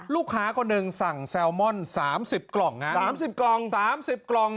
ลูกค้าก่อนหนึ่งสั่งแซลมอน๓๐กล่องนะ๓๐กล่อง